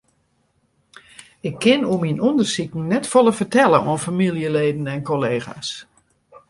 Ik kin oer myn ûndersiken net folle fertelle oan famyljeleden en kollega's.